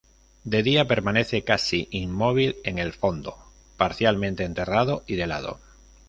De día permanece casi inmóvil en el fondo, parcialmente enterrado y de lado.